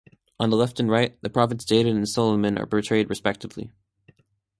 On the left and right, the prophets David and Solomon are portrayed respectively.